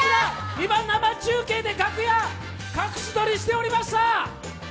今、生中継で、楽屋、隠し撮りしておりました！